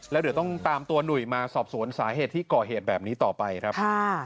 แล้วเดี๋ยวต้องตามตัวหนุ่ยมาสอบสวนสาเหตุที่ก่อเหตุแบบนี้ต่อไปครับ